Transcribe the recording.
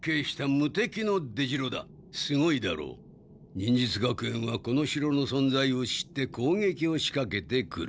忍術学園はこの城のそんざいを知って攻撃をしかけてくる。